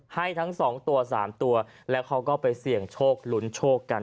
ให้ทั้งสองตัว๓ตัวแล้วเขาก็ไปเสี่ยงโชคลุ้นโชคกัน